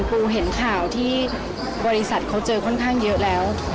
ปูเห็นข่าวที่บริษัทเขาเจอค่อนข้างเยอะแล้ว